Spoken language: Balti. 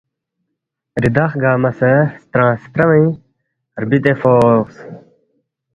ریدخ ژھنگمہ سہ سترانگ سترانِ٘نگ زبِدے فوقس